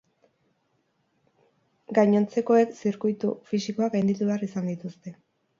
Gainontzekoek zirkuitu fisikoak gainditu behar izan dituzte.